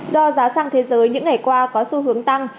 do giá xăng thế giới những ngày qua có xu hướng tăng